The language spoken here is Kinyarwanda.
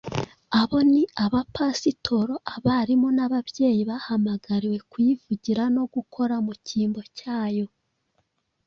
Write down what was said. Abo ni abapasitoro, abarimu n’ababyeyi bahamagariwe kuyivugira no gukora mu cyimbo cyayo.